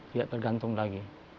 dia tergantung lagi